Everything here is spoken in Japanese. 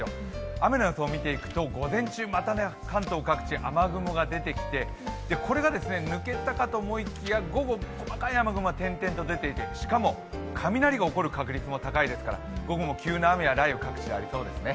雨の予想を見ていくと午前中また関東各地、雨雲が出てきてこれが抜けたかと思いきや午後、雨雲が点々と出ていてしかも、雷が起こる確率も高いですから午後も急な雨や雷雨が各地でありそうですね。